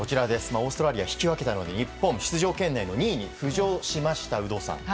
オーストラリア引き分けたので、日本、出場圏内の２位に浮上しました、有働さん。